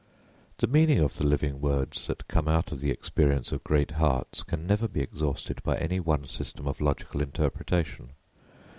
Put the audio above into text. The meaning of the living words that come out of the experiences of great hearts can never be exhausted by any one system of logical interpretation.